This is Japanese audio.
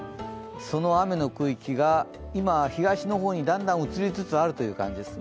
その雨の区域が今は東の方に、だんだん移りつつあるという感じです。